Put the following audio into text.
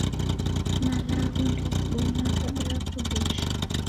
Malagho ndeghibonywaghwa bila kughesha